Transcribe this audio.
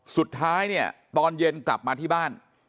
สุดท้ายเนี่ยตอนเย็นกลับมาที่บ้าน